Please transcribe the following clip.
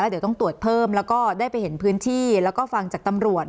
เดี๋ยวต้องตรวจเพิ่มแล้วก็ได้ไปเห็นพื้นที่แล้วก็ฟังจากตำรวจ